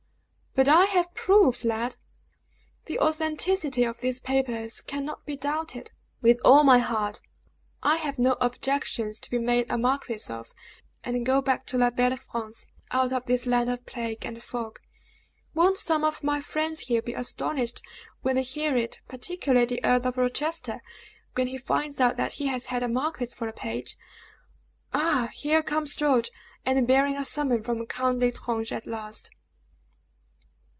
"But I have proofs, lad! The authenticity of these papers cannot be doubted." "With all my heart. I have no objections to be made a marquis of, and go back to la belle France, out of this land of plague and fog. Won't some of my friends here be astonished when they hear it, particularly the Earl of Rochester, when he finds out that he has had a marquis for a page? Ah, here comes George, and bearing a summons from Count L'Estrange at last."